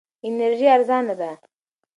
انرژي ارزانه ده.